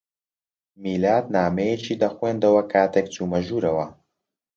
میلاد نامەیەکی دەخوێندەوە کاتێک چوومە ژوورەوە.